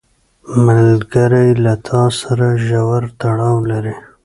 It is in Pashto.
ملګری له تا سره ژور تړاو لري